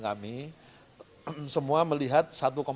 kami semua melihat satu dua